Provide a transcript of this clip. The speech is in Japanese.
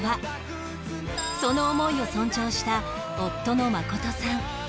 その思いを尊重した夫の誠さん